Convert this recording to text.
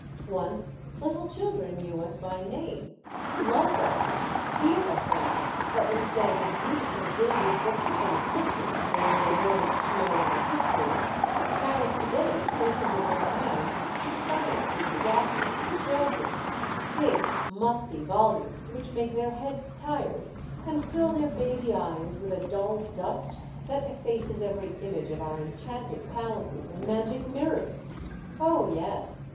Once little children knew us by name, loved us, feared us a little, but instead of the beautiful gilded books full of pictures, wherein they learned to know our history, Paris to day places in their hands Science adapted to children, big, musty volumes which make their heads tired and fill their baby eyes with a dull dust that effaces every image of our enchanted palaces and magic mirrors. Oh, yes